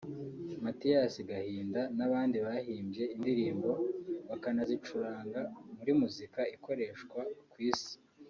Mathias Gahinda n’abandi bahimbye indirimbo bakanazicuranga muri muzika ikoreshwa ku Isi